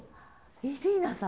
イリーナさん。